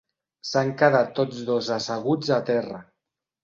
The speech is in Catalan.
S'han quedat tots dos asseguts a terra.